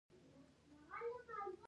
مصنوعي ځیرکتیا د تولید کچه لوړه وي.